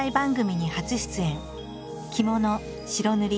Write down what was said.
着物白塗り